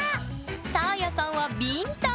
サーヤさんは「ビンタ」！